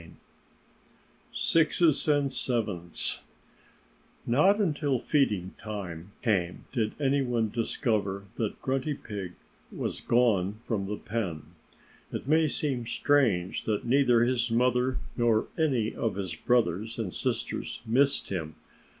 V SIXES AND SEVENS Not until feeding time came did anyone discover that Grunty Pig was gone from the pen. It may seem strange that neither his mother nor any of his brothers and sisters missed him.